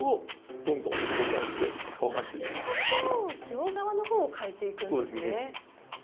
両側の方を換えていくんですね。